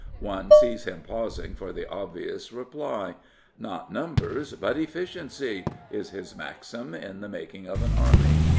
" One sees him pausing for the obvious reply. " Not numbers but efficiency " is his maxim in the making of an army.